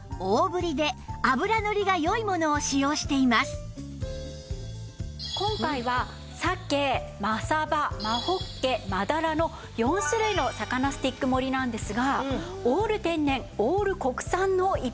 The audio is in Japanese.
鯖は今回は鮭真鯖真ほっけ真鱈の４種類の魚スティック盛りなんですがオール天然オール国産の逸品となります。